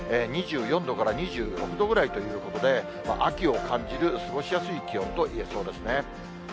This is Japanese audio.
２４度から２６度ぐらいということで、秋を感じる過ごしやすい気温といえそうですね。